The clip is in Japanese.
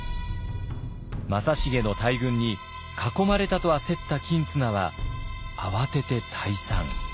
正成の大軍に囲まれたと焦った公綱は慌てて退散。